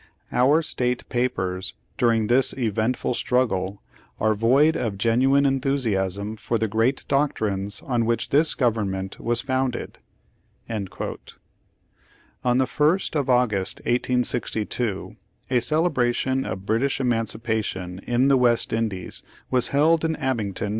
Our state papers during this eventful struggle are void of genuine enthusiasm for the great doctrines on which this government was founded." " On the first of August, 1862 a celebration of British emancipation in the West Indies was held 1 National Anti Slavery Standard.